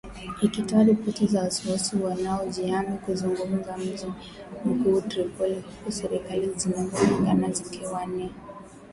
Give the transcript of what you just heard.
Ikitoa ripoti za waasi wanaojihami kuzunguka mji mkuu Tripoli ,huku serikali zinazopingana zikiwania madaraka